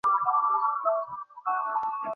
পালাতে দিবি না!